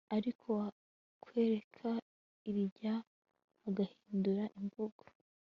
ariko wakwerekera irya agahindura imvugo